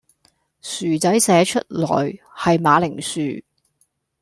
薯仔寫出來係馬鈴薯